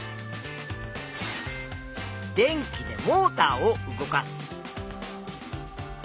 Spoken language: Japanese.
「電気でモーターを動かす」。